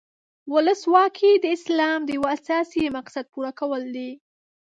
ولسواکي د اسلام د یو اساسي مقصد پوره کول دي.